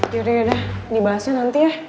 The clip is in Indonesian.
ya udah udah dibahasnya nanti ya